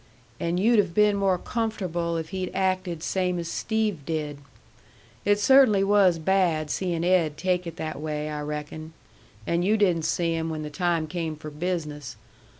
"And you'd have been more comfortable if he'd acted same as Steve did. It cert'nly was bad seeing Ed take it that way, I reckon. And you didn't see him when the time came for business.